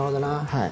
はい。